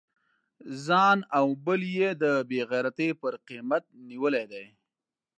ځان او بل یې د بې غیرتی پر قیمت نیولی دی.